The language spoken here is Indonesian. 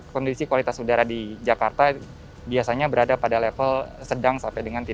kondisi kualitas udara di jakarta biasanya berada pada level sedang sampai dengan tiga puluh